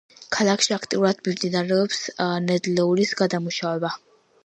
ქალაქში აქტიურად მიმდინარეობს ნედლეულის გადამუშავება.